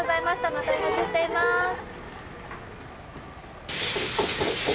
またお待ちしています。